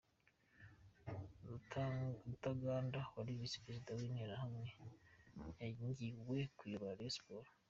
Rutaganda wari Visi perezida w’Interahamwe yangiwe kuyobora Rayon Sports.